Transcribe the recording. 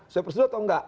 saya persidu atau nggak